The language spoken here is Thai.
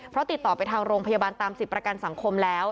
เพราะติดต่อไปทางโรงพยาบาลตามสิทธิ์ประกันสังคมแล้ว